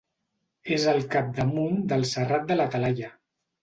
És al capdamunt del Serrat de la Talaia.